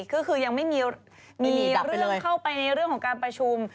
คือยังไม่มีเรื่องเข้าไปในเรื่องของการประชุม